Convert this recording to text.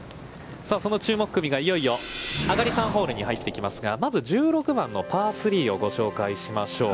その注目組が上がり３ホールに入ってきますが、まず１６番のパー３を紹介しましょう。